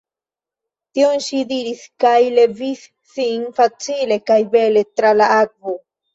Tion ŝi diris kaj levis sin facile kaj bele tra la akvo.